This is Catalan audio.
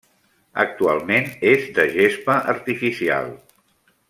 Actualment és de gespa artificial.